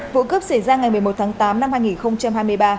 vụ cướp xảy ra ngày một mươi một tháng tám năm hai nghìn hai mươi ba